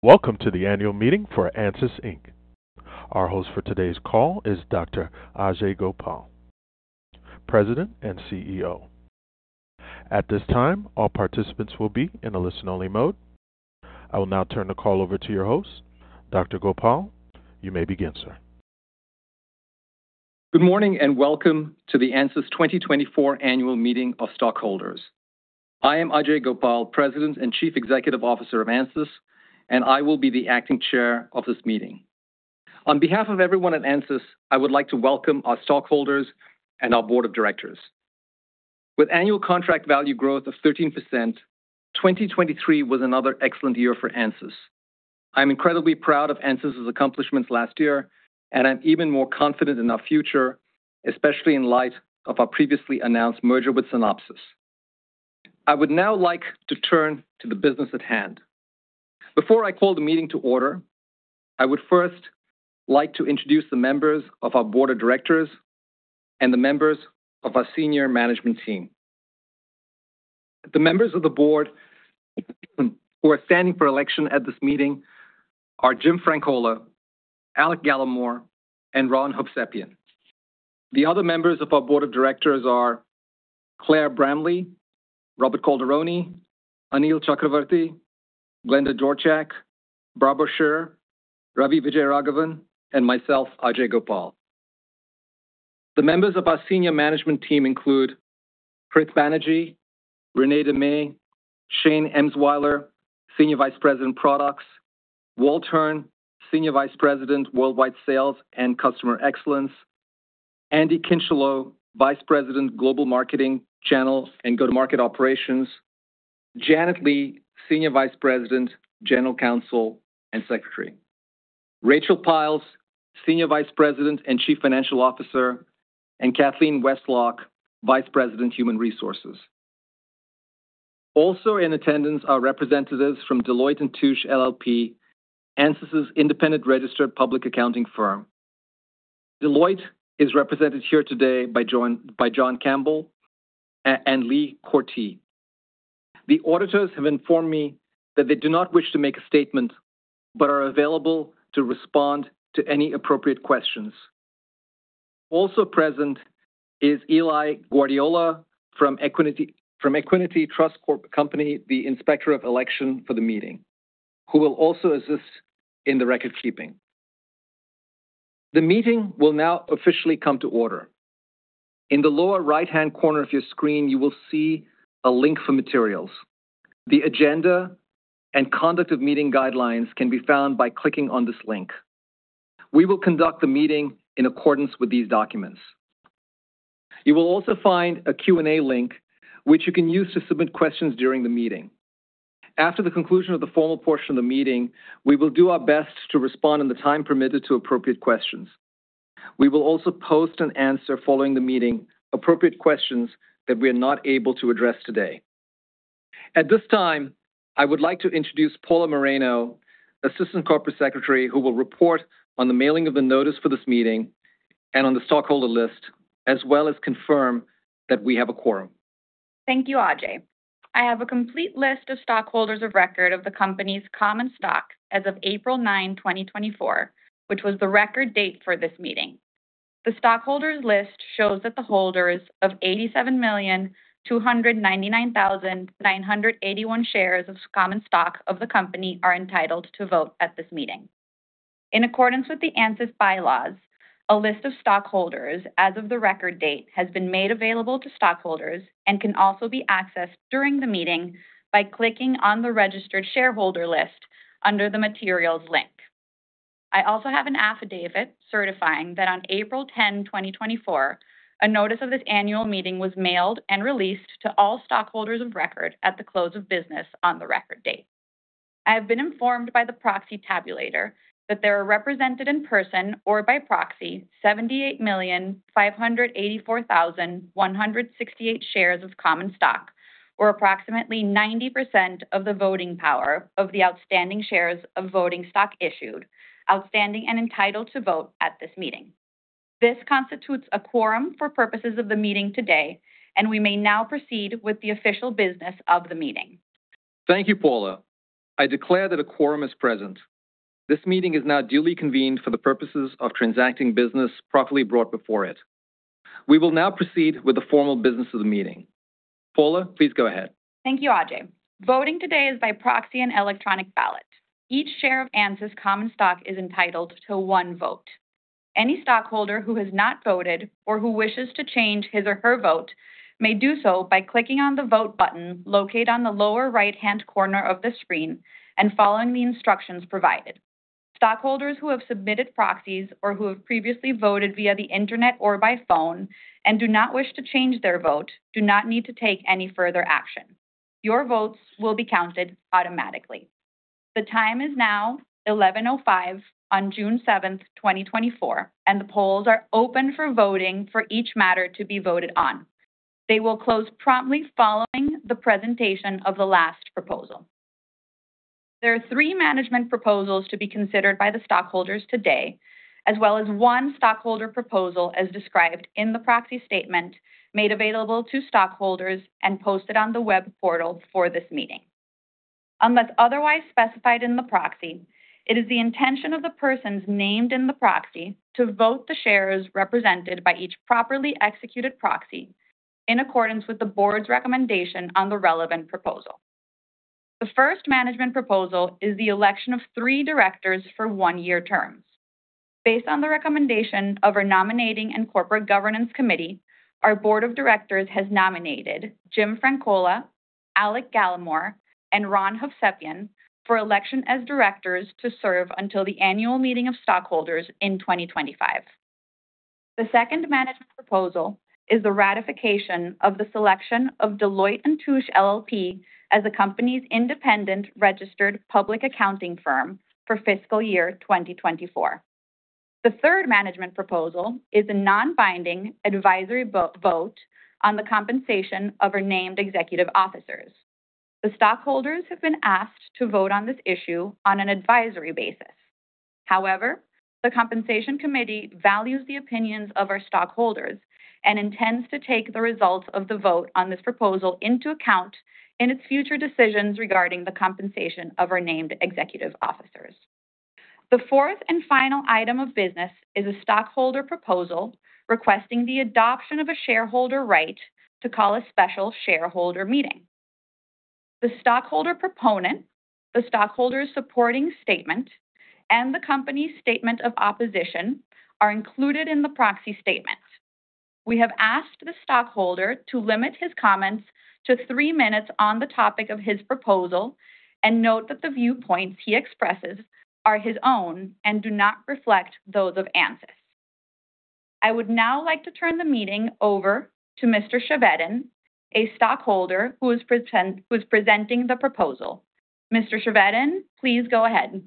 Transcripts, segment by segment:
Welcome to the annual meeting for Ansys, Inc. Our host for today's call is Dr. Ajei Gopal, President and CEO. At this time, all participants will be in a listen-only mode. I will now turn the call over to your host, Dr. Gopal. You may begin, sir. Good morning and welcome to the Ansys 2024 Annual Meeting of Stockholders. I am Ajei Gopal, President and Chief Executive Officer of Ansys, and I will be the Acting Chair of this meeting. On behalf of everyone at Ansys, I would like to welcome our stockholders and our board of directors. With annual contract value growth of 13%, 2023 was another excellent year for Ansys. I am incredibly proud of Ansys's accomplishments last year, and I'm even more confident in our future, especially in light of our previously announced merger with Synopsys. I would now like to turn to the business at hand. Before I call the meeting to order, I would first like to introduce the members of our board of directors and the members of our senior management team. The members of the board who are standing for election at this meeting are Jim Frankola, Alec Gallimore, and Ron Hovsepian. The other members of our board of directors are Claire Bramley, Robert Calderoni, Anil Chakravarthy, Glenda Dorchak, Barbara Scherer, Ravi Vijayaraghavan, and myself, Ajei Gopal. The members of our senior management team include Prith Banerjee, Renée Dumais, Shane Emswiler, Senior Vice President Products, Walt Hearn, Senior Vice President Worldwide Sales and Customer Excellence, Andy Kinchelow, Vice President Global Marketing, Channel and Go-to-Market Operations, Janet Lee, Senior Vice President, General Counsel, and Secretary, Rachel Pyles, Senior Vice President and Chief Financial Officer, and Kathleen Westlock, Vice President, Human Resources. Also in attendance are representatives from Deloitte & Touche LLP, Ansys's independent registered public accounting firm. Deloitte is represented here today by John Campbell and Lee Corti. The auditors have informed me that they do not wish to make a statement but are available to respond to any appropriate questions. Also present is Eli Guardiola from Equiniti Trust Company, the inspector of election for the meeting, who will also assist in the record keeping. The meeting will now officially come to order. In the lower right-hand corner of your screen, you will see a link for materials. The agenda and conduct of meeting guidelines can be found by clicking on this link. We will conduct the meeting in accordance with these documents. You will also find a Q&A link, which you can use to submit questions during the meeting. After the conclusion of the formal portion of the meeting, we will do our best to respond in the time permitted to appropriate questions. We will also post and answer following the meeting appropriate questions that we are not able to address today. At this time, I would like to introduce Paula Moreno, Assistant Corporate Secretary, who will report on the mailing of the notice for this meeting and on the stockholder list, as well as confirm that we have a quorum. Thank you, Ajei. I have a complete list of stockholders of record of the company's common stock as of April 9th, 2024, which was the record date for this meeting. The stockholders' list shows that the holders of 87,299,981 shares of common stock of the company are entitled to vote at this meeting. In accordance with the Ansys bylaws, a list of stockholders as of the record date has been made available to stockholders and can also be accessed during the meeting by clicking on the registered shareholder list under the materials link. I also have an affidavit certifying that on April 10th, 2024, a notice of this annual meeting was mailed and released to all stockholders of record at the close of business on the record date. I have been informed by the proxy tabulator that there are represented in person or by proxy 78,584,168 shares of common stock, or approximately 90% of the voting power of the outstanding shares of voting stock issued, outstanding and entitled to vote at this meeting. This constitutes a quorum for purposes of the meeting today, and we may now proceed with the official business of the meeting. Thank you, Paula. I declare that a quorum is present. This meeting is now duly convened for the purposes of transacting business properly brought before it. We will now proceed with the formal business of the meeting. Paula, please go ahead. Thank you, Ajei. Voting today is by proxy and electronic ballot. Each share of Ansys common stock is entitled to one vote. Any stockholder who has not voted or who wishes to change his or her vote may do so by clicking on the vote button located on the lower right-hand corner of the screen and following the instructions provided. Stockholders who have submitted proxies or who have previously voted via the internet or by phone and do not wish to change their vote do not need to take any further action. Your votes will be counted automatically. The time is now 11:05 on June 7th, 2024, and the polls are open for voting for each matter to be voted on. They will close promptly following the presentation of the last proposal. There are three management proposals to be considered by the stockholders today, as well as one stockholder proposal as described in the proxy statement made available to stockholders and posted on the web portal for this meeting. Unless otherwise specified in the proxy, it is the intention of the persons named in the proxy to vote the shares represented by each properly executed proxy in accordance with the board's recommendation on the relevant proposal. The first management proposal is the election of three directors for one-year terms. Based on the recommendation of our nominating and corporate governance committee, our board of directors has nominated Jim Frankola, Alec Gallimore, and Ron Hovsepian for election as directors to serve until the annual meeting of stockholders in 2025. The second management proposal is the ratification of the selection of Deloitte & Touche LLP as the company's independent registered public accounting firm for fiscal year 2024. The third management proposal is a non-binding advisory vote on the compensation of our named executive officers. The stockholders have been asked to vote on this issue on an advisory basis. However, the compensation committee values the opinions of our stockholders and intends to take the results of the vote on this proposal into account in its future decisions regarding the compensation of our named executive officers. The fourth and final item of business is a stockholder proposal requesting the adoption of a shareholder right to call a special shareholder meeting. The stockholder proponent, the stockholder's supporting statement, and the company's statement of opposition are included in the proxy statement. We have asked the stockholder to limit his comments to three minutes on the topic of his proposal and note that the viewpoints he expresses are his own and do not reflect those of Ansys. I would now like to turn the meeting over to Mr. Chevedden, a stockholder who is presenting the proposal. Mr. Chevedden, please go ahead.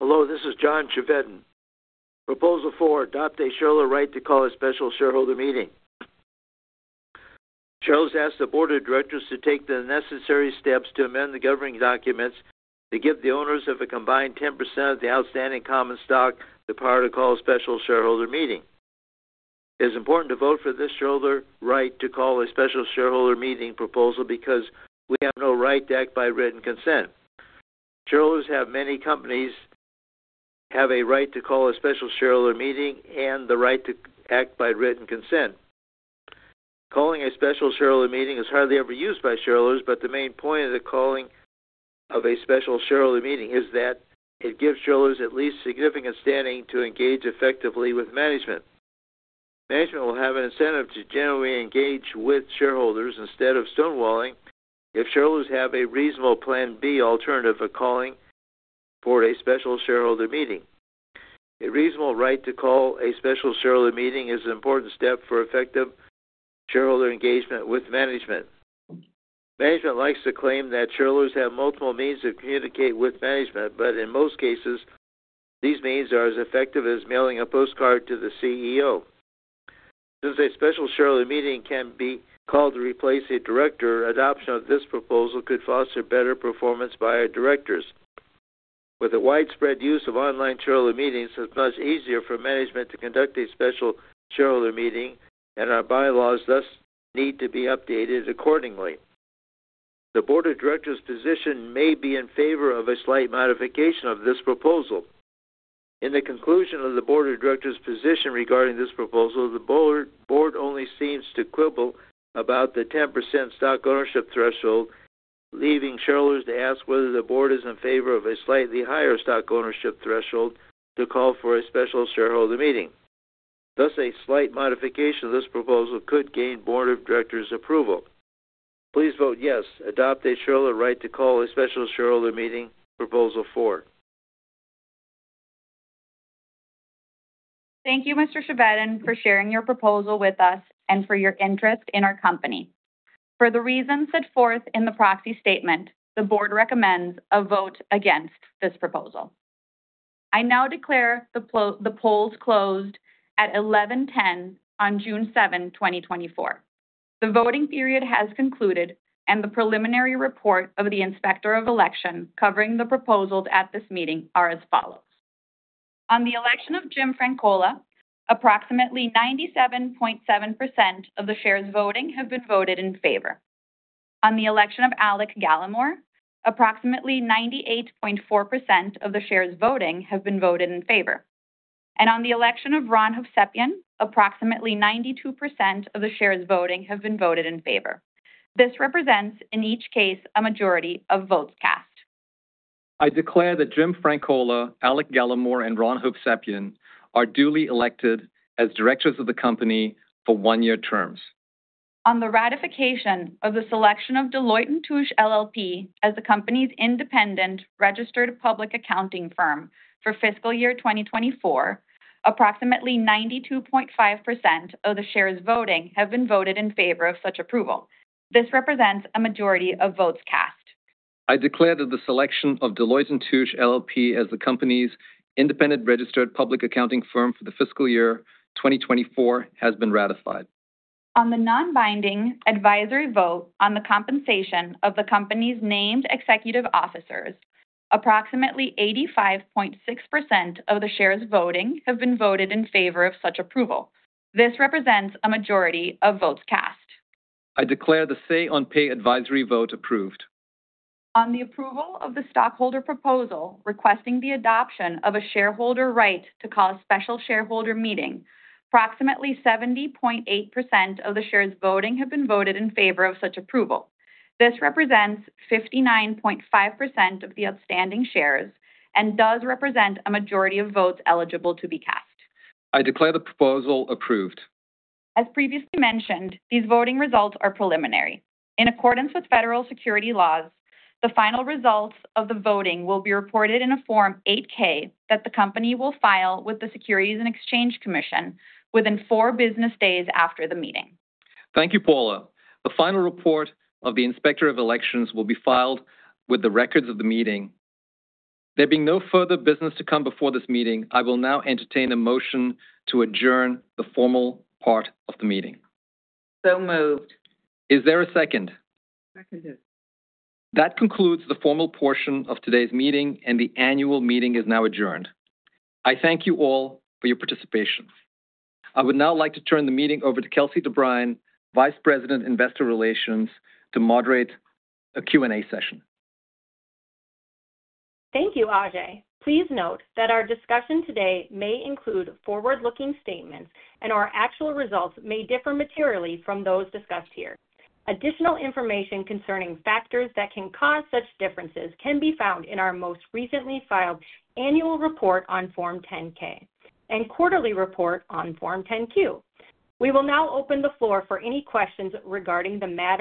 Hello, this is John Chevedden. Proposal four, adopt a shareholder right to call a special shareholder meeting. Shareholders ask the board of directors to take the necessary steps to amend the governing documents to give the owners of a combined 10% of the outstanding common stock the power to call a special shareholder meeting. It is important to vote for this shareholder right to call a special shareholder meeting proposal because we have no right to act by written consent. Shareholders have many companies have a right to call a special shareholder meeting and the right to act by written consent. Calling a special shareholder meeting is hardly ever used by shareholders, but the main point of the calling of a special shareholder meeting is that it gives shareholders at least significant standing to engage effectively with management. Management will have an incentive to generally engage with shareholders instead of stonewalling if shareholders have a reasonable plan B alternative for calling for a special shareholder meeting. A reasonable right to call a special shareholder meeting is an important step for effective shareholder engagement with management. Management likes to claim that shareholders have multiple means to communicate with management, but in most cases, these means are as effective as mailing a postcard to the CEO. Since a special shareholder meeting can be called to replace a director, adoption of this proposal could foster better performance by our directors. With the widespread use of online shareholder meetings, it's much easier for management to conduct a special shareholder meeting, and our bylaws thus need to be updated accordingly. The board of directors' position may be in favor of a slight modification of this proposal. In the conclusion of the board of directors' position regarding this proposal, the board only seems to quibble about the 10% stock ownership threshold, leaving shareholders to ask whether the board is in favor of a slightly higher stock ownership threshold to call for a special shareholder meeting. Thus, a slight modification of this proposal could gain board of directors' approval. Please vote yes, adopt a shareholder right to call a special shareholder meeting proposal 4. Thank you, Mr. Chevedden, for sharing your proposal with us and for your interest in our company. For the reasons set forth in the proxy statement, the board recommends a vote against this proposal. I now declare the polls closed at 11:10 A.M. on June 7th, 2024. The voting period has concluded, and the preliminary report of the inspector of election covering the proposals at this meeting are as follows. On the election of Jim Frankola, approximately 97.7% of the shares voting have been voted in favor. On the election of Alec Gallimore, approximately 98.4% of the shares voting have been voted in favor. And on the election of Ron Hovsepian, approximately 92% of the shares voting have been voted in favor. This represents, in each case, a majority of votes cast. I declare that Jim Frankola, Alec Gallimore, and Ron Hovsepian are duly elected as directors of the company for one-year terms. On the ratification of the selection of Deloitte & Touche LLP as the company's independent registered public accounting firm for fiscal year 2024, approximately 92.5% of the shares voting have been voted in favor of such approval. This represents a majority of votes cast. I declare that the selection of Deloitte & Touche LLP as the company's independent registered public accounting firm for the fiscal year 2024 has been ratified. On the non-binding advisory vote on the compensation of the company's named executive officers, approximately 85.6% of the shares voting have been voted in favor of such approval. This represents a majority of votes cast. I declare the Say-on-Pay advisory vote approved. On the approval of the stockholder proposal requesting the adoption of a shareholder right to call a special shareholder meeting, approximately 70.8% of the shares voting have been voted in favor of such approval. This represents 59.5% of the outstanding shares and does represent a majority of votes eligible to be cast. I declare the proposal approved. As previously mentioned, these voting results are preliminary. In accordance with federal securities laws, the final results of the voting will be reported in a Form 8-K that the company will file with the Securities and Exchange Commission within four business days after the meeting. Thank you, Paula. The final report of the inspector of elections will be filed with the records of the meeting. There being no further business to come before this meeting, I will now entertain a motion to adjourn the formal part of the meeting. So moved. Is there a second? Seconded. That concludes the formal portion of today's meeting, and the annual meeting is now adjourned. I thank you all for your participation. I would now like to turn the meeting over to Kelsey DeBriyn, Vice President, Investor Relations, to moderate a Q&A session. Thank you, Ajei. Please note that our discussion today may include forward-looking statements, and our actual results may differ materially from those discussed here. Additional information concerning factors that can cause such differences can be found in our most recently filed annual report on Form 10-K and quarterly report on Form 10-Q. We will now open the floor for any questions regarding the matter.